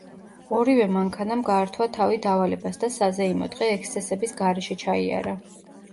ორივე მანქანამ გაართვა თავი დავალებას და საზეიმო დღე ექსცესების გარეშე ჩაიარა.